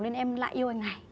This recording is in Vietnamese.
nên em lại yêu anh này